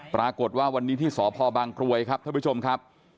ปรากฏว่าวันนี้ที่สพบางกรวยครับท่านผู้ชมครับ